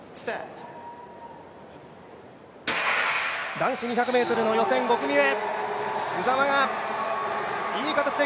男子２００ｍの予選５組目。